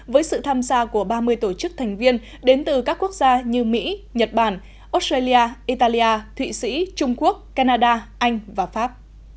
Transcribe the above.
với sự tham gia của ba mươi tổ chức thành viên đến từ các quốc gia như mỹ nhật bản australia italia thụy sĩ trung quốc canada anh và pháp